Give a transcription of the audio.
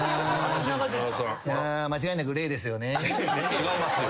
違いますよ。